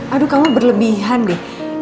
aduh kamu berlebihan deh